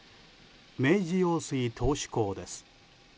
明治用水頭首工です。